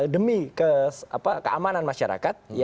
demi keamanan masyarakat